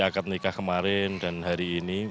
akad nikah kemarin dan hari ini